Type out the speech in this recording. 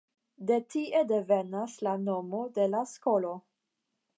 De tie devenas la nomo de la skolo.